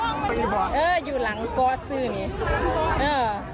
คล้องไปกี่บาทเอออยู่หลังก๊อซี่นี่